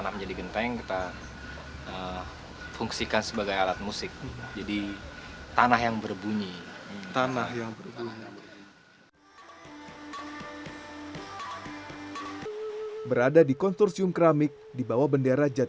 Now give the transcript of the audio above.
materi yang berbeda untuk membuat